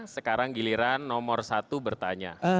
sekarang giliran nomor satu bertanya